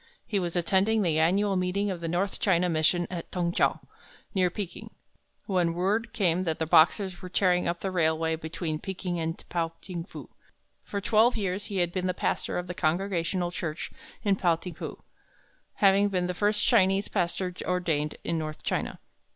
He was attending the annual meeting of the North China Mission at Tung chou, near Peking when word came that the Boxers were tearing up the railway between Peking and Pao ting fu. For twelve years he had been the pastor of the Congregational Church in Pao ting fu, having been the first Chinese pastor ordained in north China.